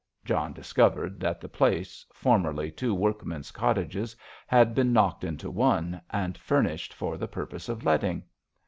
John discovered that the place, formerly two workmen's cottages, had been knocked into one, and furnished for the purpose of letting.